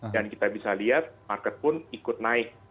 dan kita bisa lihat market pun ikut naik